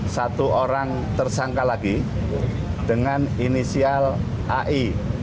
satu orang tersangka lagi dengan inisial ai